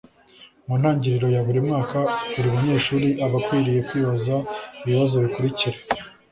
Mu ntangiriro ya buri mwaka buri munyeshuri aba akwiye kwibaza ibibazo bikurikira